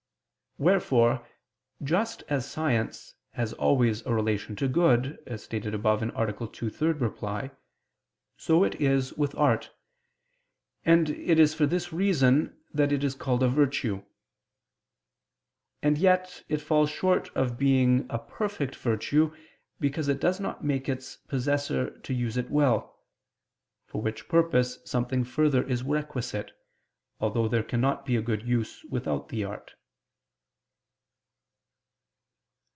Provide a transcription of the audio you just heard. Wherefore, just as science has always a relation to good, as stated above (A. 2, ad 3), so it is with art: and it is for this reason that it is called a virtue. And yet it falls short of being a perfect virtue, because it does not make its possessor to use it well; for which purpose something further is requisite: although there cannot be a good use without the art.